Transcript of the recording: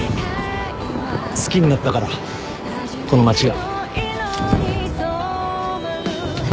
好きになったからこの街が。